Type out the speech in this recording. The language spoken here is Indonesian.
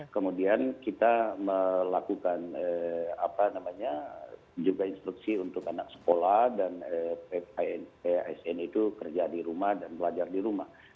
kemudian kita melakukan apa namanya juga instruksi untuk anak sekolah dan asn itu kerja di rumah dan belajar di rumah